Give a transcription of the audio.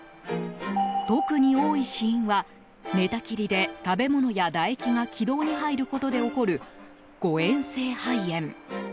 特に多い死因は、寝たきりで食べ物や唾液が気道に入ることで起こる誤嚥性肺炎。